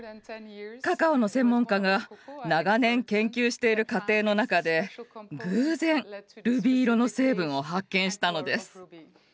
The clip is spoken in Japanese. カカオの専門家が長年研究している過程の中で偶然ルビー色の成分を発見したのです。